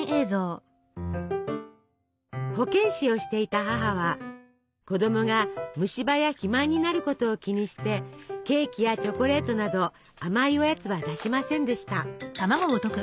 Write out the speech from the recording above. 保健師をしていた母は子どもが虫歯や肥満になることを気にしてケーキやチョコレートなど甘いおやつは出しませんでした。